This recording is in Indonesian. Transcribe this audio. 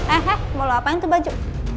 eh eh mau lo apain tuh baju